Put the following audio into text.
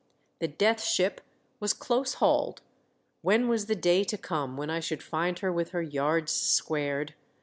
The Death Ship was close hauled — when was the day to come when I should find her with her yards squared